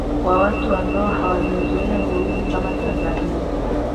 kwa watu ambao hawajazoea vurugu kama tanzania